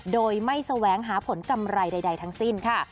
โดยไม่แสวงหาผลกำไรใดทั้งสิ้นค่ะ